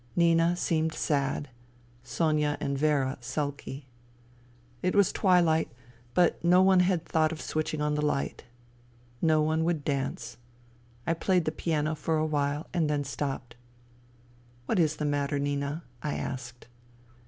Nina seemed sad ; Sonia and Vera sulky. It was twi light, but no one had thought of switching on the light. No one would dance. I played the piano for a while, and then stopped. " What is the matter, Nina ?" I asked.